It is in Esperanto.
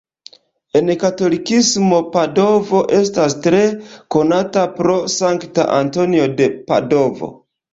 En katolikismo Padovo estas tre konata pro Sankta Antonio de Padovo.